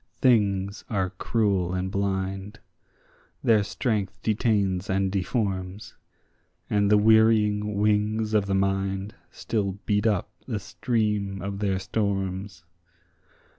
Things are cruel and blind; their strength detains and deforms: And the wearying wings of the mind still beat up the stream of their storms.